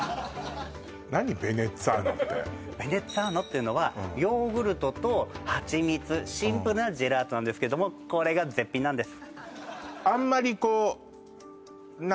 ベネツィアーノってのはヨーグルトと蜂蜜シンプルなジェラートなんですけどもこれが絶品なんです